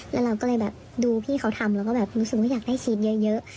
แล้วเราก็เลยแบบดูพี่เขาทำแล้วก็แบบรู้สึกว่าอยากได้คลิปเยอะ